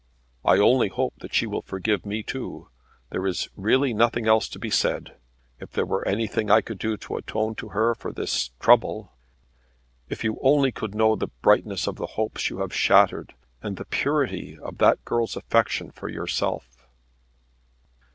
"I only hope that she will forgive me too. There is really nothing else to be said. If there were anything I could do to atone to her for this trouble." "If you only could know the brightness of the hopes you have shattered, and the purity of that girl's affection for yourself!"